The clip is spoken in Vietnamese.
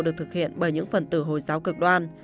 được thực hiện bởi những phần tử hồi giáo cực đoan